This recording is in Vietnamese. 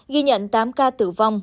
ghi nhận tám ca tử vong